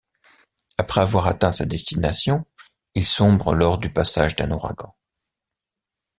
Après avoir atteint sa destination, il sombre lors du passage d'un ouragan.